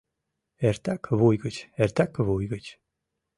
Эртак вуй гыч, эртак вуй гыч...